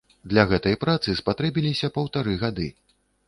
Для гэтай працы спатрэбіліся паўтары гады.